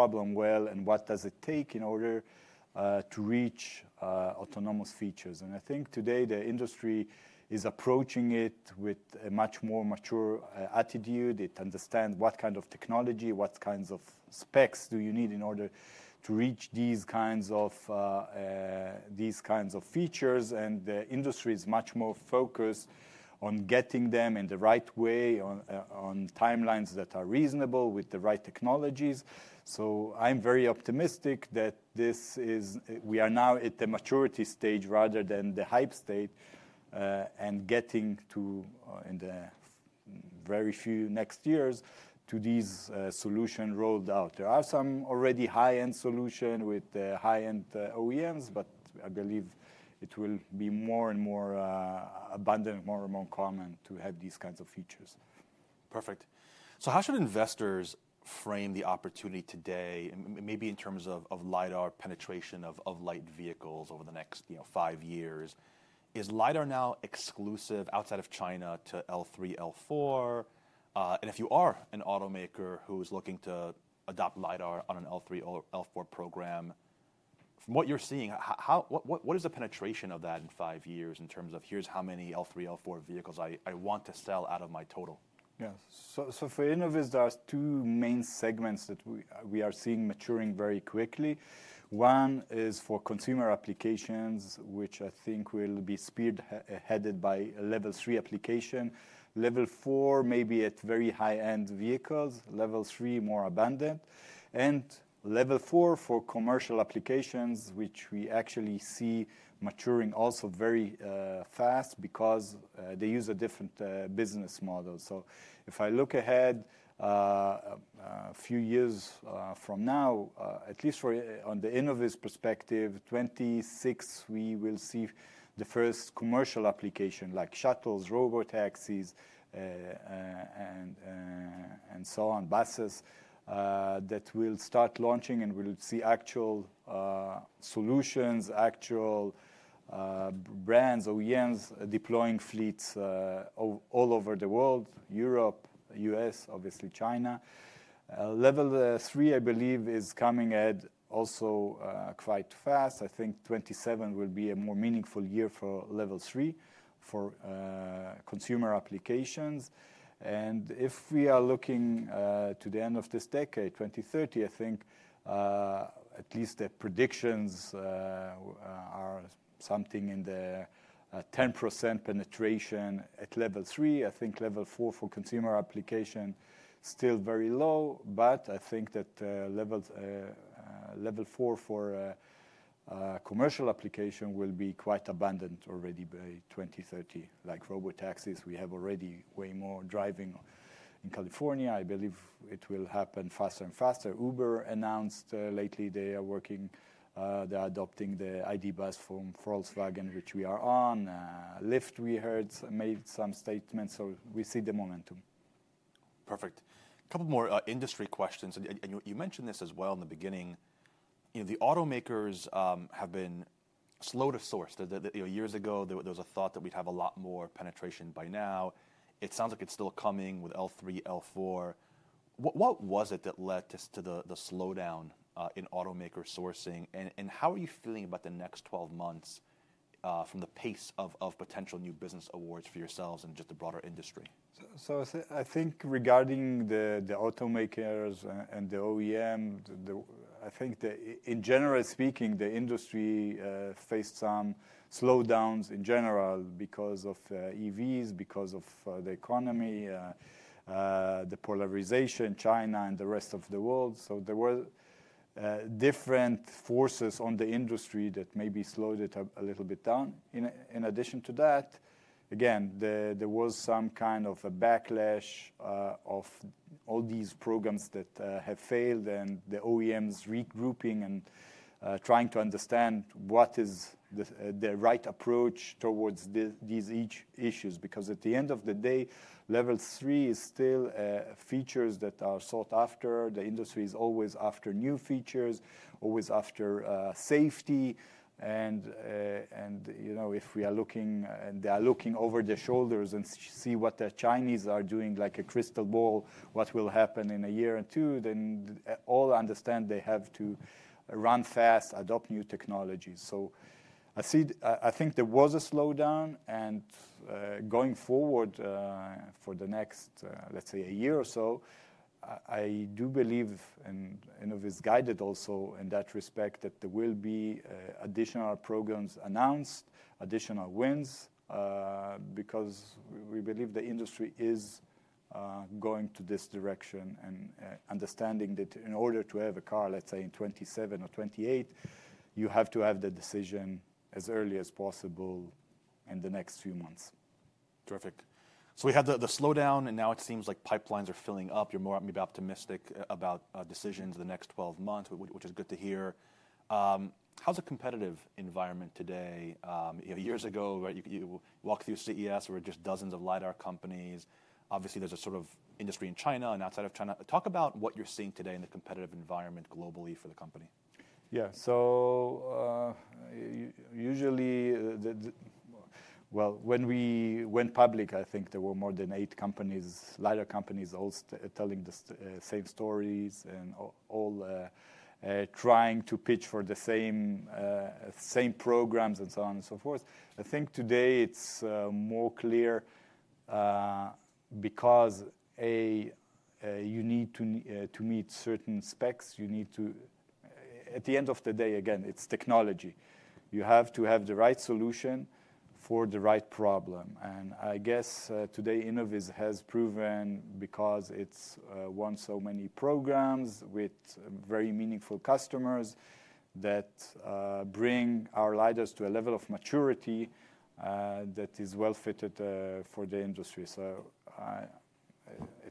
Problem, what does it take in order to reach autonomous features? I think today the industry is approaching it with a much more mature attitude. It understands what kind of technology, what kinds of specs you need in order to reach these kinds of features. The industry is much more focused on getting them in the right way, on timelines that are reasonable with the right technologies. I'm very optimistic that we are now at the maturity stage rather than the hype state, and getting to, in the very few next years, these solutions rolled out. There are some already high-end solutions with high-end OEMs, but I believe it will be more and more abundant, more and more common to have these kinds of features. Perfect. How should investors frame the opportunity today, maybe in terms of LiDAR penetration of light vehicles over the next five years? Is LiDAR now exclusive outside of China to L3, L4? If you are an automaker who's looking to adopt LiDAR on an L3 or L4 program, from what you're seeing, what is the penetration of that in five years in terms of, here's how many L3, L4 vehicles I want to sell out of my total? Yeah. For Innoviz, there are two main segments that we are seeing maturing very quickly. One is for consumer applications, which I think will be spearheaded by a level three application. Level four, maybe at very high-end vehicles. Level three, more abundant. And level four for commercial applications, which we actually see maturing also very fast because they use a different business model. If I look ahead a few years from now, at least from the Innoviz perspective, 2026, we will see the first commercial application like shuttles, robotaxis, and so on, buses, that will start launching and we will see actual solutions, actual brands, OEMs deploying fleets all over the world, Europe, US, obviously China. Level three, I believe, is coming at also quite fast. I think 2027 will be a more meaningful year for level three for consumer applications. If we are looking to the end of this decade, 2030, I think at least the predictions are something in the 10% penetration at level three. I think level four for consumer application is still very low, but I think that level four for commercial application will be quite abundant already by 2030. Like robotaxis, we have already way more driving in California. I believe it will happen faster and faster. Uber announced lately they are working, they're adopting the ID bus from Volkswagen, which we are on. Lyft, we heard, made some statements, so we see the momentum. Perfect. A couple more industry questions. You mentioned this as well in the beginning. You know, the automakers have been slow to source. You know, years ago, there was a thought that we'd have a lot more penetration by now. It sounds like it's still coming with L3, L4. What was it that led to the slowdown in automaker sourcing? How are you feeling about the next 12 months, from the pace of potential new business awards for yourselves and just the broader industry? I think regarding the automakers and the OEM, I think in general speaking, the industry faced some slowdowns in general because of EVs, because of the economy, the polarization, China, and the rest of the world. There were different forces on the industry that maybe slowed it a little bit down. In addition to that, again, there was some kind of a backlash of all these programs that have failed and the OEMs regrouping and trying to understand what is the right approach towards these issues. Because at the end of the day, level three is still features that are sought after. The industry is always after new features, always after safety. You know, if we are looking, and they are looking over their shoulders and see what the Chinese are doing, like a crystal ball, what will happen in a year or two, then all understand they have to run fast, adopt new technologies. I see, I think there was a slowdown. Going forward, for the next, let's say a year or so, I do believe in, in Innoviz guided also in that respect that there will be additional programs announced, additional wins, because we believe the industry is going to this direction and understanding that in order to have a car, let's say in 2027 or 2028, you have to have the decision as early as possible in the next few months. Perfect. So we had the slowdown, and now it seems like pipelines are filling up. You're more maybe optimistic about decisions in the next 12 months, which is good to hear. How's the competitive environment today? You know, years ago, right, you walk through CES, there were just dozens of LiDAR companies. Obviously, there's a sort of industry in China and outside of China. Talk about what you're seeing today in the competitive environment globally for the company. Yeah. So, usually, when we went public, I think there were more than eight LiDAR companies, all telling the same stories and all trying to pitch for the same programs and so on and so forth. I think today it's more clear, because, A, you need to meet certain specs. You need to, at the end of the day, again, it's technology. You have to have the right solution for the right problem. I guess, today Innoviz has proven because it's won so many programs with very meaningful customers that bring our LiDARs to a level of maturity that is well-fitted for the industry. At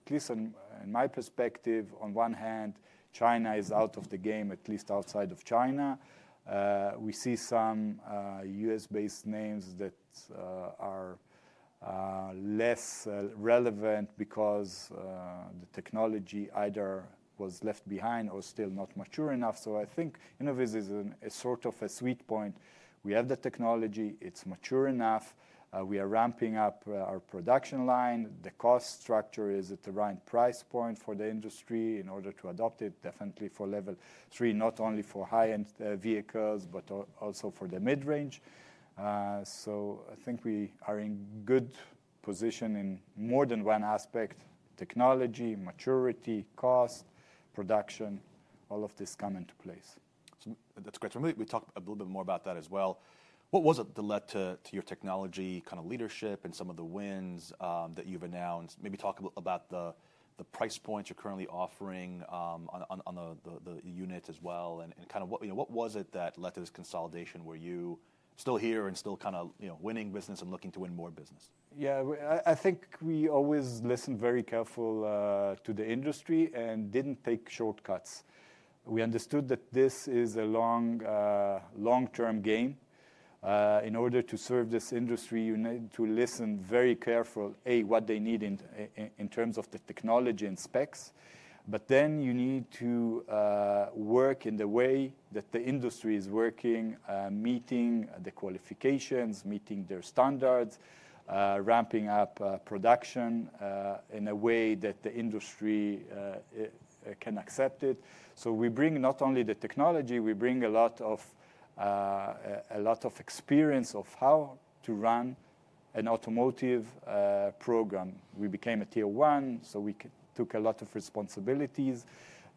least in my perspective, on one hand, China is out of the game, at least outside of China. We see some U.S.-based names that are less relevant because the technology either was left behind or still not mature enough. I think Innoviz is a sort of a sweet point. We have the technology. It's mature enough. We are ramping up our production line. The cost structure is at the right price point for the industry in order to adopt it, definitely for level three, not only for high-end vehicles, but also for the mid-range. I think we are in good position in more than one aspect: technology, maturity, cost, production, all of this come into place. That's great. We talked a little bit more about that as well. What was it that led to your technology kind of leadership and some of the wins that you've announced? Maybe talk a little about the price points you're currently offering on the unit as well and kind of what was it that led to this consolidation where you're still here and still kind of, you know, winning business and looking to win more business? Yeah. I think we always listened very carefully to the industry and did not take shortcuts. We understood that this is a long, long-term game. In order to serve this industry, you need to listen very carefully, what they need in terms of the technology and specs. You need to work in the way that the industry is working, meeting the qualifications, meeting their standards, ramping up production in a way that the industry can accept it. We bring not only the technology, we bring a lot of experience of how to run an automotive program. We became a tier one, so we took a lot of responsibilities.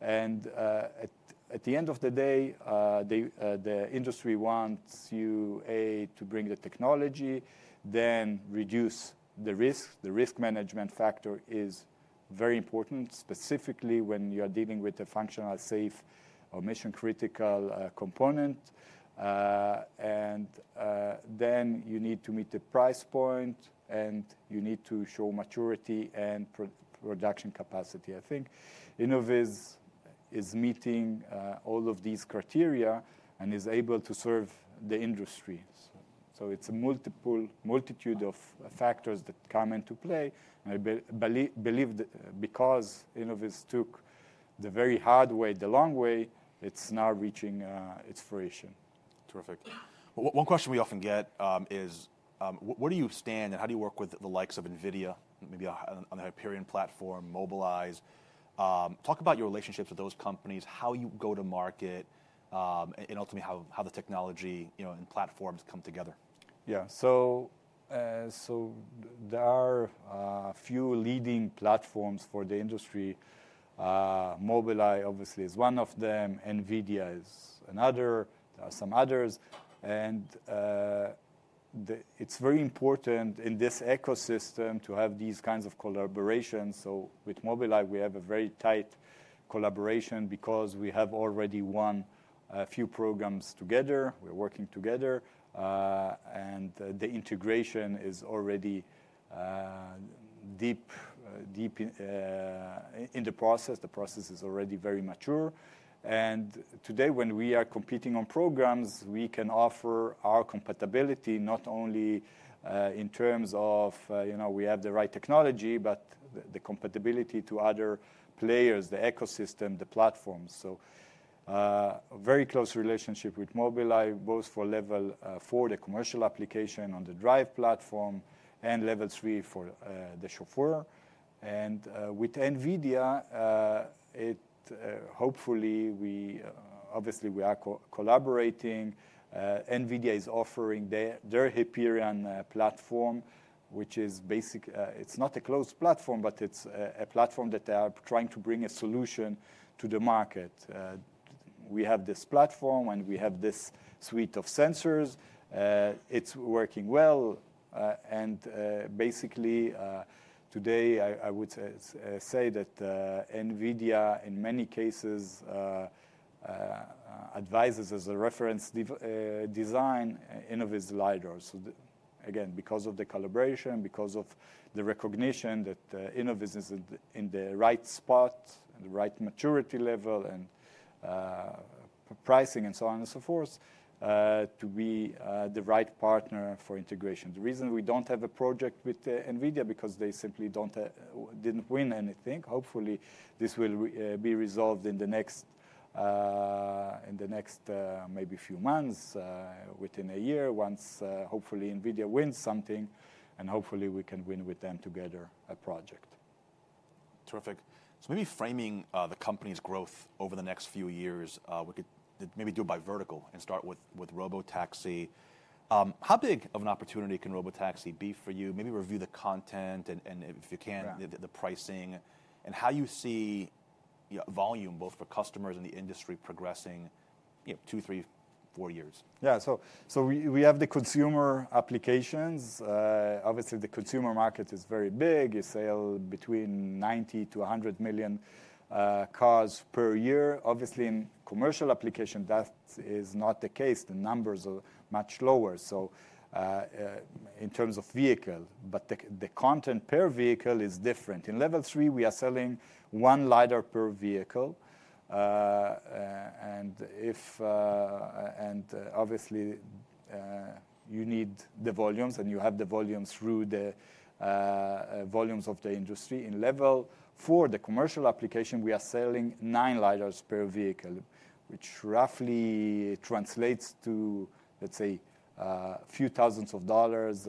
At the end of the day, the industry wants you to bring the technology, then reduce the risk. The risk management factor is very important, specifically when you are dealing with a functional, safe, or mission-critical component. Then you need to meet the price point, and you need to show maturity and production capacity. I think Innoviz is meeting all of these criteria and is able to serve the industry. It's a multitude of factors that come into play. I believe that because Innoviz took the very hard way, the long way, it's now reaching its fruition. Perfect. One question we often get is, where do you stand and how do you work with the likes of NVIDIA, maybe on the Hyperion platform, Mobileye? Talk about your relationships with those companies, how you go to market, and ultimately how the technology, you know, and platforms come together. Yeah. So, there are a few leading platforms for the industry. Mobileye, obviously, is one of them. NVIDIA is another. There are some others. It is very important in this ecosystem to have these kinds of collaborations. With Mobileye, we have a very tight collaboration because we have already won a few programs together. We're working together, and the integration is already deep in the process. The process is already very mature. Today, when we are competing on programs, we can offer our compatibility not only in terms of, you know, we have the right technology, but the compatibility to other players, the ecosystem, the platforms. Very close relationship with Mobileye, both for level four, the commercial application on the Drive platform, and level three for the Chauffeur. With NVIDIA, hopefully we, obviously we are co-collaborating. NVIDIA is offering their Hyperion platform, which is basic, it's not a closed platform, but it's a platform that they are trying to bring a solution to the market. We have this platform, and we have this suite of sensors. It's working well. Basically, today, I would say that NVIDIA, in many cases, advises as a reference dev design, Innoviz LiDAR. Again, because of the collaboration, because of the recognition that Innoviz is in the right spot, the right maturity level, and pricing, and so on and so forth, to be the right partner for integration. The reason we don't have a project with NVIDIA is because they simply didn't win anything. Hopefully, this will be resolved in the next, maybe few months, within a year, once, hopefully NVIDIA wins something, and hopefully we can win with them together a project. Perfect. Maybe framing the company's growth over the next few years, we could maybe do it by vertical and start with robotaxi. How big of an opportunity can robotaxi be for you? Maybe review the content and, and if you can. Yeah. The pricing and how you see, you know, volume both for customers and the industry progressing, you know, two, three, four years. Yeah. So we have the consumer applications. Obviously, the consumer market is very big. You sell between 90-100 million cars per year. Obviously, in commercial application, that is not the case. The numbers are much lower in terms of vehicle, but the content per vehicle is different. In level three, we are selling one LiDAR per vehicle, and obviously, you need the volumes, and you have the volumes through the volumes of the industry. In level four, the commercial application, we are selling nine LiDARs per vehicle, which roughly translates to, let's say, a few thousands of dollars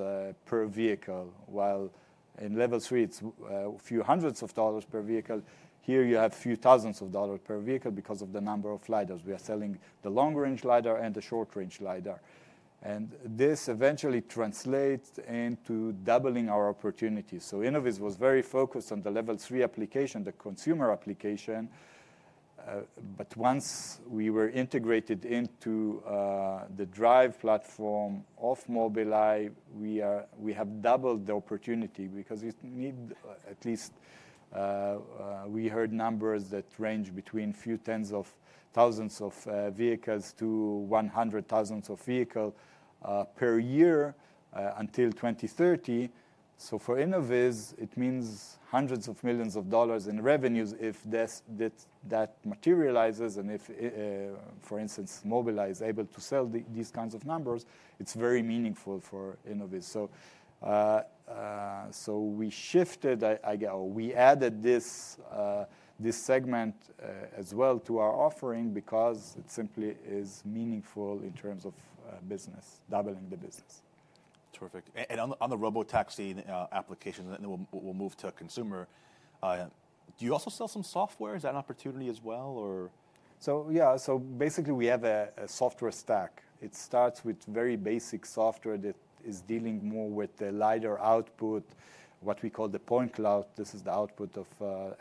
per vehicle. While in level three, it's a few hundreds of dollars per vehicle. Here, you have a few thousands of dollars per vehicle because of the number of LiDARs. We are selling the long-range LiDAR and the short-range LiDAR. This eventually translates into doubling our opportunities. Innoviz was very focused on the Level 3 application, the consumer application. Once we were integrated into the Drive platform of Mobileye, we have doubled the opportunity because you need, at least, we heard numbers that range between a few tens of thousands of vehicles to hundreds of thousands of vehicles per year, until 2030. For Innoviz, it means hundreds of millions of dollars in revenues if this materializes. If, for instance, Mobileye is able to sell these kinds of numbers, it is very meaningful for Innoviz. We shifted, I go, we added this segment as well to our offering because it simply is meaningful in terms of business, doubling the business. Perfect. And on the, on the robotaxi application, and then we'll, we'll move to consumer. Do you also sell some software? Is that an opportunity as well, or? Yeah. So basically, we have a software stack. It starts with very basic software that is dealing more with the LiDAR output, what we call the point cloud. This is the output of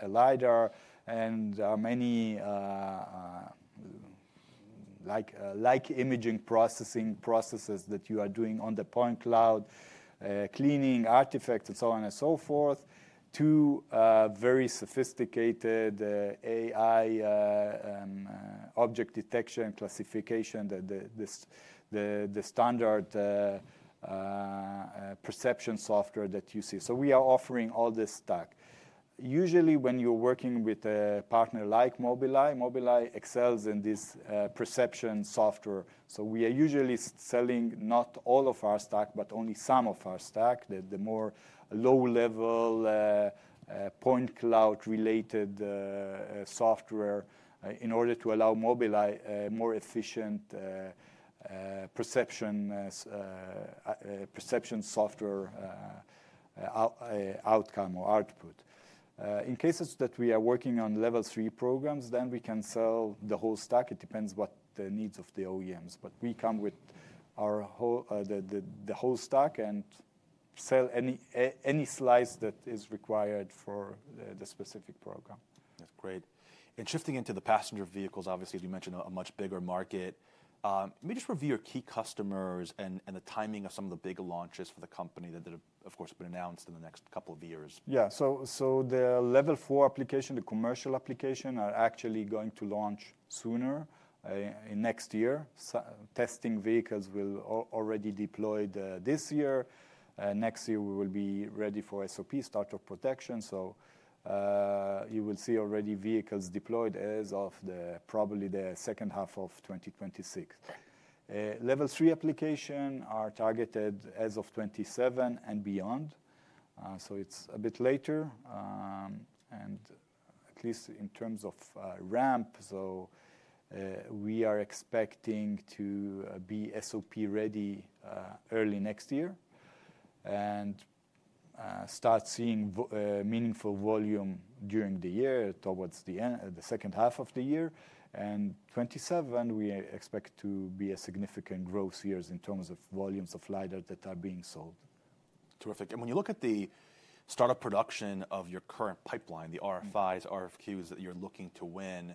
a LiDAR. There are many, like, imaging processing processes that you are doing on the point cloud, cleaning artifacts, and so on and so forth, to very sophisticated AI object detection classification, the standard perception software that you see. We are offering all this stack. Usually, when you're working with a partner like Mobileye, Mobileye excels in this perception software. We are usually selling not all of our stack, but only some of our stack, the more low-level, point cloud-related software, in order to allow Mobileye more efficient perception software outcome or output. In cases that we are working on level three programs, then we can sell the whole stack. It depends what the needs of the OEMs. We come with our whole stack and sell any slice that is required for the specific program. That's great. Shifting into the passenger vehicles, obviously, you mentioned a much bigger market. Maybe just review your key customers and the timing of some of the big launches for the company that have, of course, been announced in the next couple of years. Yeah. The level four application, the commercial application, are actually going to launch sooner, in next year. Testing vehicles will already be deployed this year. Next year, we will be ready for SOP, start of production. You will see already vehicles deployed as of probably the second half of 2026. Level three applications are targeted as of 2027 and beyond, so it's a bit later. At least in terms of ramp, we are expecting to be SOP ready early next year and start seeing meaningful volume during the year towards the end, the second half of the year. In 2027, we expect to be a significant growth year in terms of volumes of LiDAR that are being sold. Perfect. When you look at the startup production of your current pipeline, the RFIs, RFQs that you're looking to win,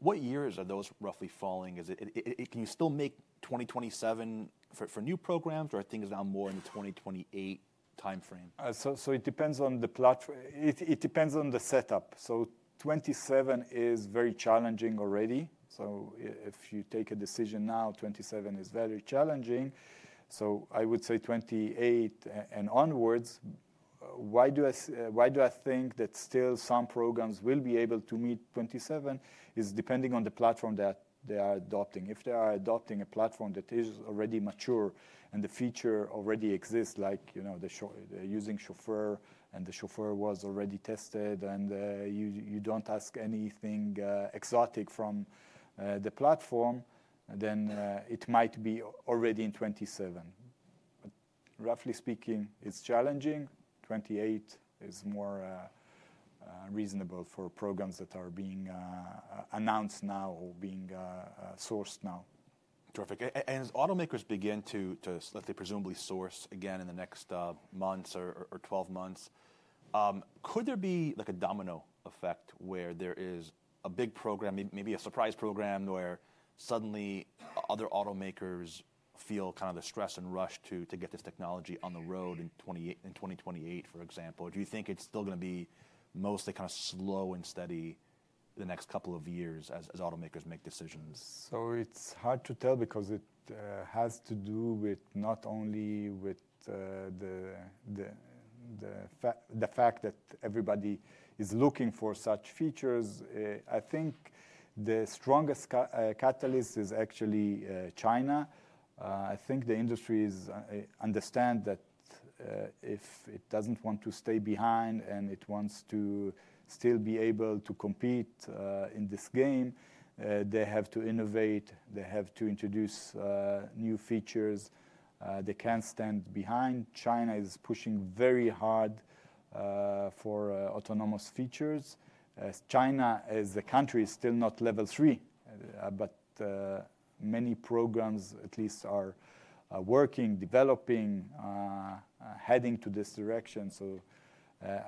what years are those roughly falling? Is it, can you still make 2027 for new programs, or are things now more in the 2028 timeframe? It depends on the platform. It depends on the setup. 2027 is very challenging already. If you take a decision now, 2027 is very challenging. I would say 2028 and onwards. Why do I think that still some programs will be able to meet 2027? It's depending on the platform that they are adopting. If they are adopting a platform that is already mature and the feature already exists, like, you know, the Chauffeur, using Chauffeur, and the Chauffeur was already tested, and you don't ask anything exotic from the platform, then it might be already in 2027. Roughly speaking, it's challenging. 2028 is more reasonable for programs that are being announced now or being sourced now. Perfect. As automakers begin to, let's say, presumably source again in the next months or 12 months, could there be like a domino effect where there is a big program, maybe a surprise program where suddenly other automakers feel kind of the stress and rush to get this technology on the road in 2028, for example? Or do you think it's still gonna be mostly kind of slow and steady the next couple of years as automakers make decisions? It's hard to tell because it has to do with not only the fact that everybody is looking for such features. I think the strongest catalyst is actually China. I think the industry understands that if it does not want to stay behind and it wants to still be able to compete in this game, they have to innovate. They have to introduce new features. They cannot stand behind. China is pushing very hard for autonomous features. China as a country is still not Level 3, but many programs at least are working, developing, heading in this direction.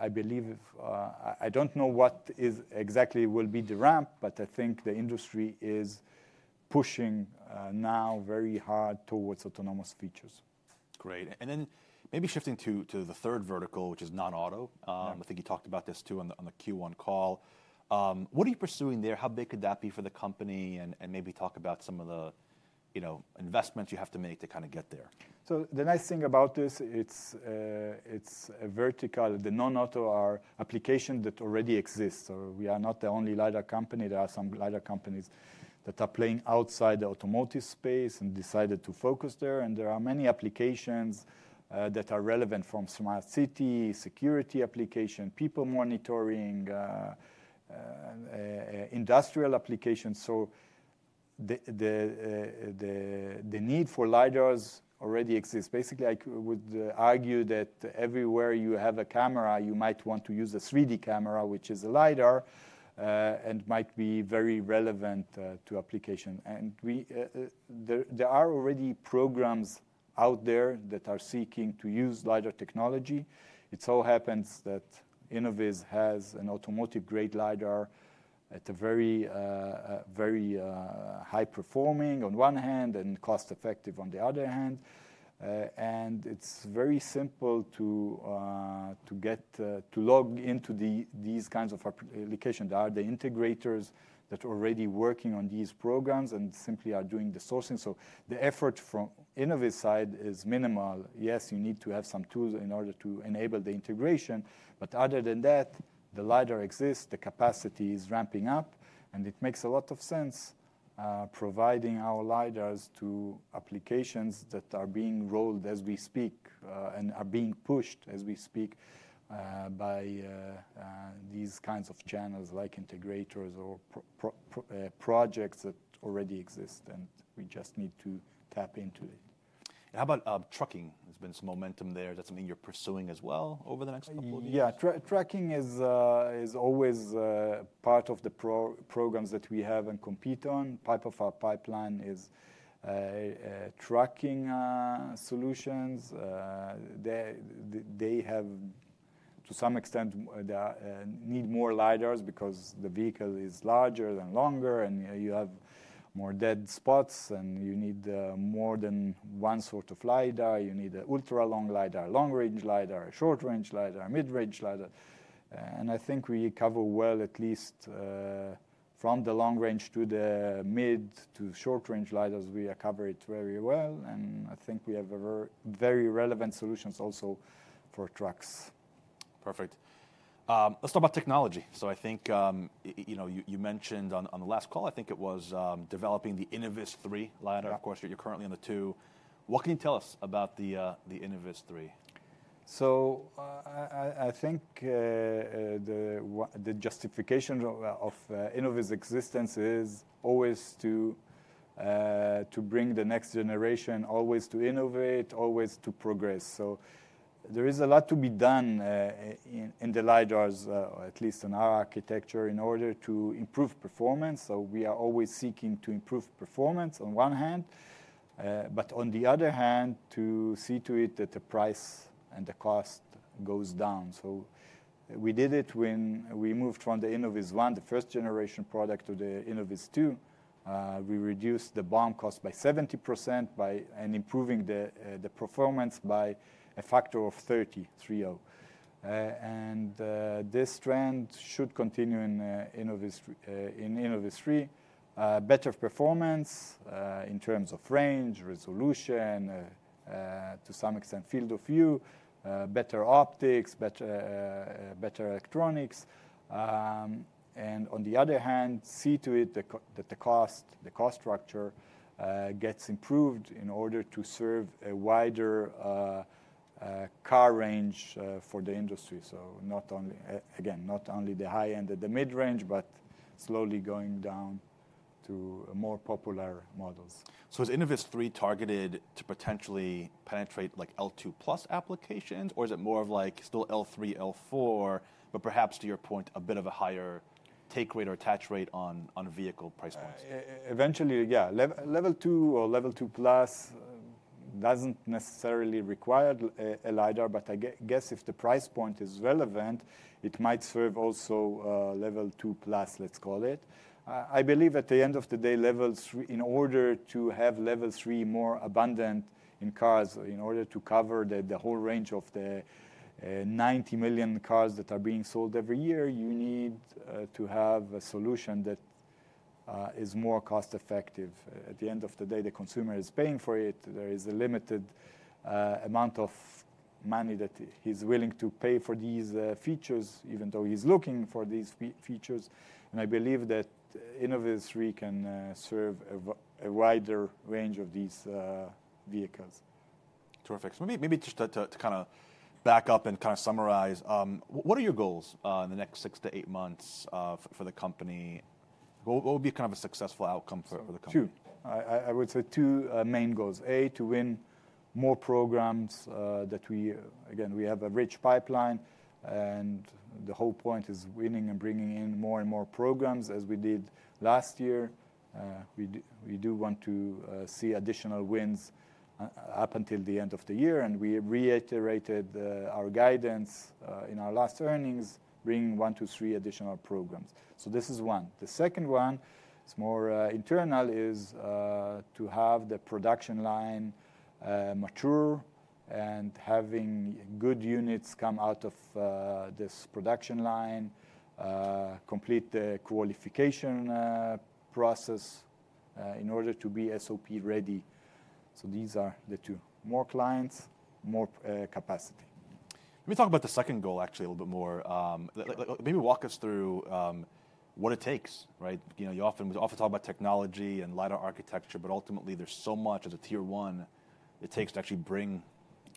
I believe, I do not know what exactly will be the ramp, but I think the industry is pushing now very hard towards autonomous features. Great. And then maybe shifting to the third vertical, which is non-auto. Yeah. I think you talked about this too on the, on the Q1 call. What are you pursuing there? How big could that be for the company? And maybe talk about some of the, you know, investments you have to make to kind of get there. The nice thing about this, it's a vertical. The non-auto are applications that already exist. We are not the only LiDAR company. There are some LiDAR companies that are playing outside the automotive space and decided to focus there. There are many applications that are relevant from smart city, security application, people monitoring, industrial applications. The need for LiDARs already exists. Basically, I would argue that everywhere you have a camera, you might want to use a 3D camera, which is a LiDAR, and might be very relevant to application. There are already programs out there that are seeking to use LiDAR technology. It so happens that Innoviz has an automotive-grade LiDAR that is very, very high-performing on one hand and cost-effective on the other hand. It's very simple to get to log into these kinds of applications. There are the integrators that are already working on these programs and simply are doing the sourcing. The effort from Innoviz side is minimal. Yes, you need to have some tools in order to enable the integration. Other than that, the LiDAR exists. The capacity is ramping up. It makes a lot of sense, providing our LiDARs to applications that are being rolled as we speak and are being pushed as we speak by these kinds of channels like integrators or projects that already exist. We just need to tap into it. How about, trucking? There's been some momentum there. Is that something you're pursuing as well over the next couple of years? Yeah. Tracking is always part of the programs that we have and compete on. Part of our pipeline is tracking solutions. They have to some extent need more LiDARs because the vehicle is larger and longer, and you have more dead spots, and you need more than one sort of LiDAR. You need an ultra-long LiDAR, long-range LiDAR, short-range LiDAR, mid-range LiDAR. I think we cover well, at least, from the long range to the mid to short-range LiDARs. We are covered very well. I think we have very relevant solutions also for trucks. Perfect. Let's talk about technology. I think, you know, you mentioned on the last call, I think it was, developing the Innoviz three LiDAR. Yeah. Of course, you're currently on the 2. What can you tell us about the, the Innoviz three? So I think the justification of Innoviz's existence is always to bring the next generation, always to innovate, always to progress. There is a lot to be done in the LiDARs, at least in our architecture, in order to improve performance. We are always seeking to improve performance on one hand, but on the other hand, to see to it that the price and the cost goes down. We did it when we moved from the Innoviz one, the first-generation product, to the Innoviz two. We reduced the BOM cost by 70% and improved the performance by a factor of 3.0. This trend should continue in Innoviz three. Better performance in terms of range, resolution, to some extent field of view, better optics, better electronics. On the other hand, see to it that the cost structure gets improved in order to serve a wider car range for the industry. Not only, again, not only the high-end and the mid-range, but slowly going down to more popular models. Is Innoviz three targeted to potentially penetrate like L2 plus applications, or is it more of like still L3, L4, but perhaps to your point, a bit of a higher take rate or attach rate on vehicle price points? Eventually, yeah. Level two or level two plus doesn't necessarily require a LiDAR, but I guess if the price point is relevant, it might serve also, level two plus, let's call it. I believe at the end of the day, level three, in order to have level three more abundant in cars, in order to cover the whole range of the 90 million cars that are being sold every year, you need to have a solution that is more cost-effective. At the end of the day, the consumer is paying for it. There is a limited amount of money that he's willing to pay for these features, even though he's looking for these features. I believe that Innoviz three can serve a wider range of these vehicles. Perfect. Maybe just to kind of back up and kind of summarize, what are your goals in the next six to eight months for the company? What would be kind of a successful outcome for the company? Two. I would say two main goals. A, to win more programs, that we, again, we have a rich pipeline. The whole point is winning and bringing in more and more programs as we did last year. We do want to see additional wins up until the end of the year. We reiterated our guidance in our last earnings, bringing one to three additional programs. This is one. The second one is more internal, to have the production line mature and having good units come out of this production line, complete the qualification process in order to be SOP ready. These are the two. More clients, more capacity. Let me talk about the second goal actually a little bit more. Maybe walk us through what it takes, right? You know, you often, we often talk about technology and LiDAR architecture, but ultimately, there's so much as a tier one it takes to actually bring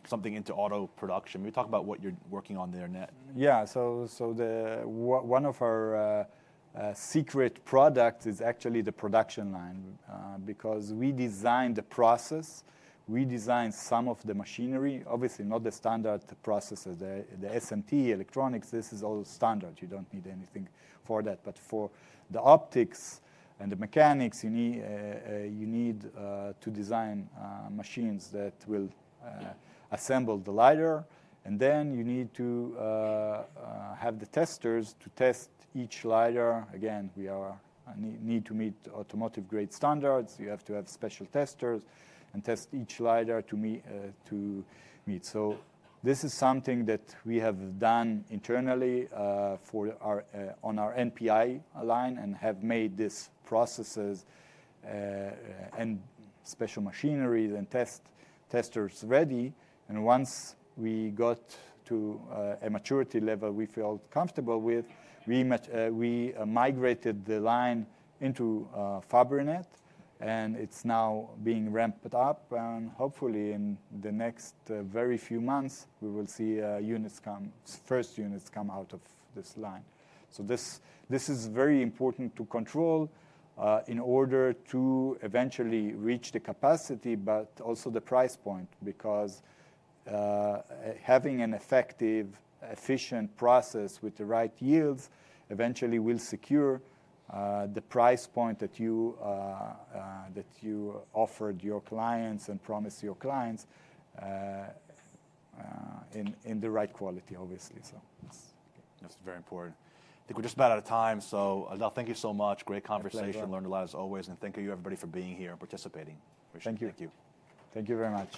something into auto production. Maybe talk about what you're working on there next. Yeah. So one of our secret products is actually the production line, because we design the process. We design some of the machinery, obviously not the standard processes. The SMT electronics, this is all standard. You do not need anything for that. For the optics and the mechanics, you need to design machines that will assemble the LiDAR. You need to have the testers to test each LiDAR. Again, we need to meet automotive-grade standards. You have to have special testers and test each LiDAR to meet. This is something that we have done internally, on our NPI line and have made these processes, and special machinery and testers ready. Once we got to a maturity level we felt comfortable with, we migrated the line into Fabrinet. It is now being ramped up. Hopefully, in the next very few months, we will see units come, first units come out of this line. This is very important to control in order to eventually reach the capacity, but also the price point because having an effective, efficient process with the right yields eventually will secure the price point that you offered your clients and promised your clients, in the right quality, obviously. That's okay. That's very important. I think we're just about out of time. So Adel, thank you so much. Great conversation. Thank you. Learned a lot as always. Thank you, everybody, for being here and participating. Appreciate it. Thank you. Thank you. Thank you very much.